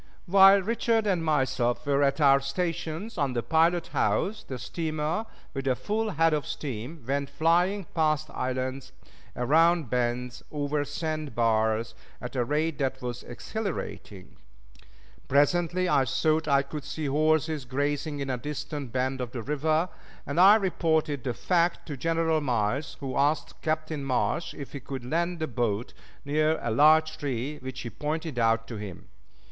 While Richard and myself were at our stations on the pilot house, the steamer, with a full head of steam, went flying past islands, around bends, over sand bars, at a rate that was exhilarating. Presently I thought I could see horses grazing in a distant bend of the river, and I reported the fact to General Miles, who asked Captain Marsh if he could land the boat near a large tree which he pointed out to him.